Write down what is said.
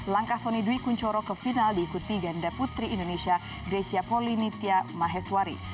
langkah sonny dwi kunchoro ke final diikuti ganda putri indonesia grecia polinitia maheswari